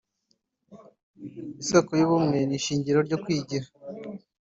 isoko y’ubumwe n’ishiniro ryo kwigira”